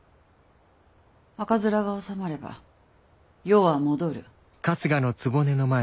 赤面が治まれば世は戻る。